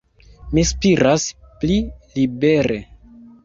Mi spiras pli libere.